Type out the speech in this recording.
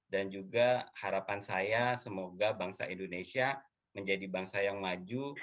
dan juga harapan saya semoga bangsa indonesia menjadi bangsa yang maju